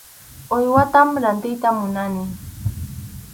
Uywatam rantiyta munani.